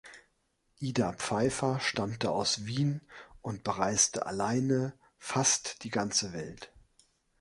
Ida Pfeiffer stammte aus Wien und bereiste alleine fast die ganze Welt.